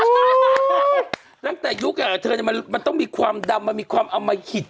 ตั้งแต่ยุคเธอมันต้องมีความดำมันมีความอมหิต